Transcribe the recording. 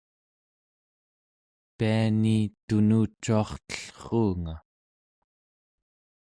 piani tunucuartellruunga